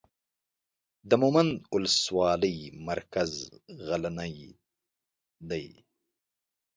د مومند اولسوالۍ مرکز غلنۍ دی.